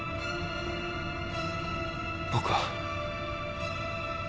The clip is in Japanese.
僕は。